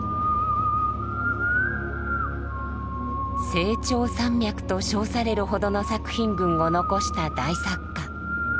「清張山脈」と称されるほどの作品群を遺した大作家。